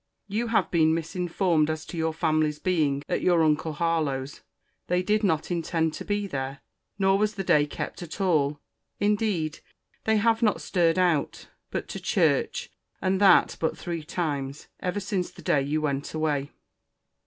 You have been misinformed as to your family's being at your uncle Harlowe's. They did not intend to be there. Nor was the day kept at all. Indeed, they have not stirred out, but to church (and that but three times) ever since the day you went away.